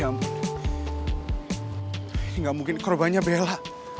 ya ampun ini gak mungkin korbannya bella